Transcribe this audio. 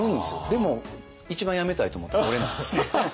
でも一番辞めたいと思ってるの俺なんですよ。